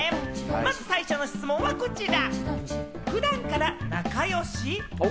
まず最初の質問はこちら。